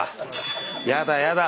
やだやだ